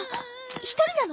一人なの！？